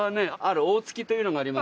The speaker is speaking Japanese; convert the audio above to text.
オオツキというのがあります。